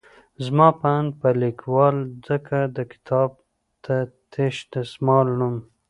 زما په اند به ليکوال ځکه د کتاب ته شين دسمال نوم